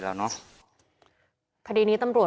ส่วนของชีวาหาย